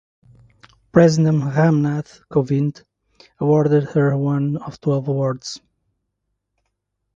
President Ram Nath Kovind awarded her one of twelve awards.